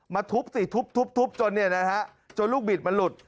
ทุบสิทุบจนเนี่ยนะฮะจนลูกบิดมันหลุด